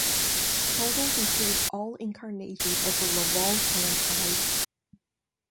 Totals include all incarnations of the Laval franchise.